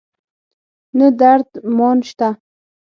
نه درد مان شته